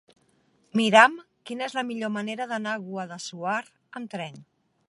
Mira'm quina és la millor manera d'anar a Guadassuar amb tren.